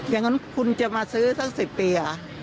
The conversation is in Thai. อย่างนั้นคุณจะมาซื้อสัก๑๐ปี